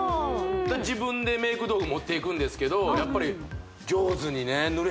自分でメイク道具持っていくんですけど